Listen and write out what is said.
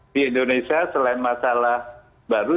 di indonesia selain masalah baru